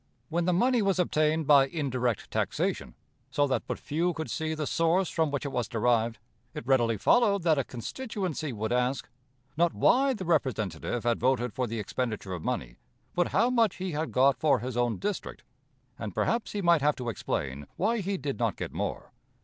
When the money was obtained by indirect taxation, so that but few could see the source from which it was derived, it readily followed that a constituency would ask, not why the representative had voted for the expenditure of money, but how much he had got for his own district, and perhaps he might have to explain why he did not get more.